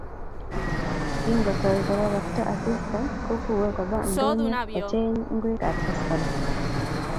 Kingotoi kororokto asista kokue Koba ndonyo kocheng ngwekab koskoleny